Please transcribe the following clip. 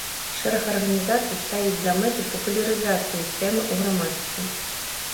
Шэраг арганізацый ставіць за мэту папулярызацыю тэмы ў грамадстве.